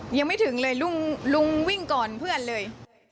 ยังไม่ถึงเลยลุงวิ่งก่อนเพื่อนเลย